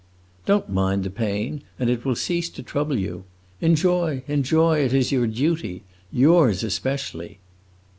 "Don't mind the pain, and it will cease to trouble you. Enjoy, enjoy; it is your duty. Yours especially!"